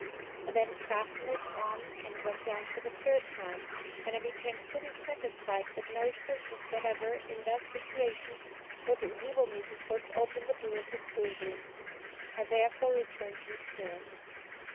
I then fastened it on and went down for the third time, when I became fully satisfied that no exertions whatever, in that situation, would enable me to force open the door of the storeroom. I therefore returned in despair.